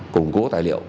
củng cố tài liệu